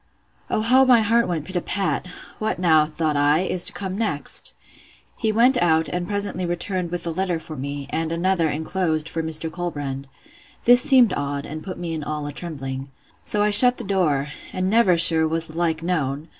O how my heart went pit a pat! What now, thought I, is to come next! He went out, and presently returned with a letter for me, and another, enclosed, for Mr. Colbrand. This seemed odd, and put me all in a trembling. So I shut the door; and never, sure, was the like known!